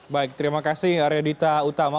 baik terima kasih aradita utama